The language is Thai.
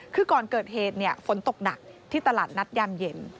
คือก่อนเกิดเหตุฝนตกหนักที่ตลาดนัดยามเย็น